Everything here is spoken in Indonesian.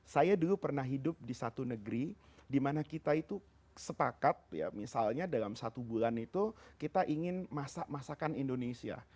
saya dulu pernah hidup di satu negeri dimana kita itu sepakat ya misalnya dalam satu bulan itu kita ingin masak masakan indonesia